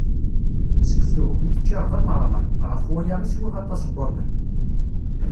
Seksu, mi t-ččiɣ d amerɣan, ɣef waya i swiɣ aṭas n waman.